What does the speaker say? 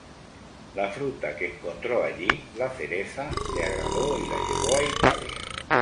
La fruta que encontró allí, la cereza, le agradó y la llevó a Italia.